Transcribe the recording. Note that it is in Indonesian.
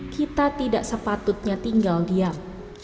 kita tidak sepatutnya tinggal diam